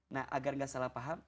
nah agar gak salah paham